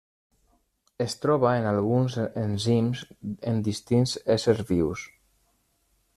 Es troba en alguns enzims en distints éssers vius.